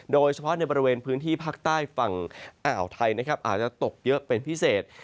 โดยเฉพาะในบริเวณพื้นที่ภาคใต้ฝั่งอ่าวไทยนะครับอาจจะตกเยอะเป็นพิเศษ